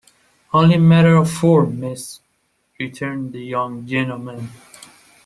"Only a matter of form, miss," returned the young gentleman.